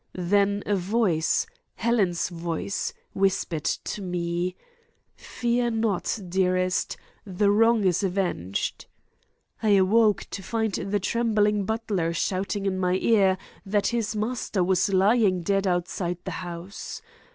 Then a voice Helen's voice whispered to me, 'Fear not, dearest; the wrong is avenged.' I awoke, to find the trembling butler shouting in my ear that his master was lying dead outside the house.